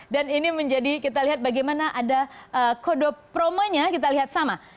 dan ini menjadi kita lihat bagaimana ada kode promonya kita lihat sama